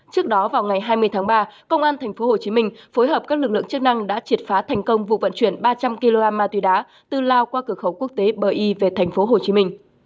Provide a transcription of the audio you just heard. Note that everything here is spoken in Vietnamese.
trước đó vào ngày hai mươi tháng ba công an tp hcm phối hợp các lực lượng chức năng đã triệt phá thành công vụ vận chuyển ba trăm linh kg ma túy đá từ lao qua cửa khẩu quốc tế bờ y về tp hcm